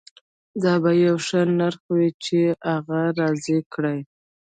دا به یو ښه نرخ وي چې هغه راضي کړي